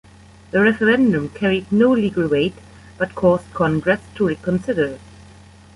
The referendum carried no legal weight but caused Congress to reconsider.